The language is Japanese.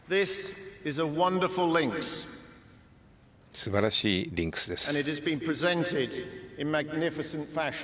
素晴らしいリンクスです。